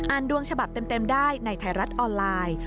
ดวงฉบับเต็มได้ในไทยรัฐออนไลน์